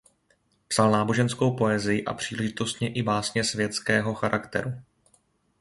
Psal náboženskou poezii a příležitostně i básně světského charakteru.